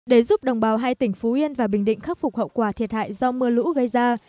để giúp đồng bào hai tỉnh phú yên và bình định khắc phục hậu quả thiệt hại do mưa lũ gây ra